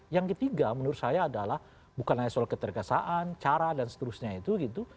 yang ketiga menurut saya adalah bukan hanya soal keterkesaan cara dan seterusnya itu gitu